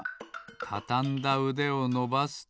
たたんだうでをのばすと。